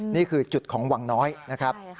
นี่คือจุดของวังน้อยนะครับ